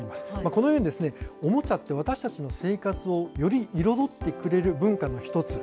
このように、おもちゃって私たちの生活をより彩ってくれる文化の一つ。